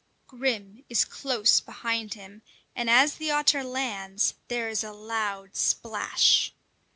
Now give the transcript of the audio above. Grim is close behind him, and as the otter lands, there is a loud splash.